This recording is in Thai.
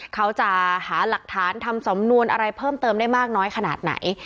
เขาจะหาหลักฐานทำสำนวนอะไรเพิ่มเติมได้มากน้อยขนาดไหน